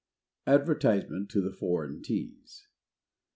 ADVERTISEMENT TO THE FOREIGN TEAS.